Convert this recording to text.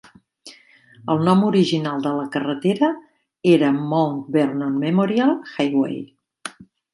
El nom original de la carretera era Mount Vernon Memorial Highway.